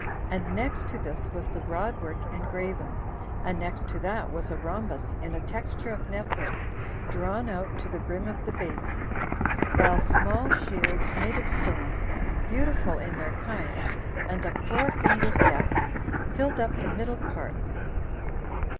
And next to this was the rod work engraven; and next to that was a rhombus in a texture of net work, drawn out to the brim of the basin, while small shields, made of stones, beautiful in their kind, and of four fingers' depth, filled up the middle parts.